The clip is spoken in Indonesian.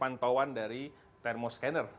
pantauan dari termoskaner